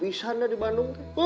pas pisan di bandung